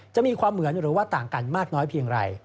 จะมีความเหมือนหรือว่าต่างกันมากน้อยเพียงไร